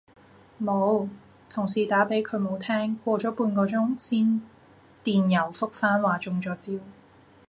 冇，同事打畀佢冇聽，過咗半個鐘先電郵覆返話中咗招